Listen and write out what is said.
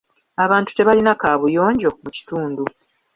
Abantu tebalina kaabuyonjo mu kitundu.